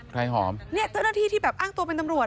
หอมเนี่ยเจ้าหน้าที่ที่แบบอ้างตัวเป็นตำรวจ